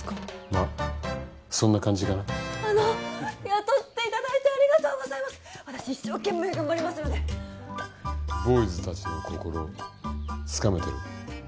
まっそんな感じかなあの雇っていただいてありがとうございますっ私一生懸命頑張りますのでボーイズたちの心つかめてる？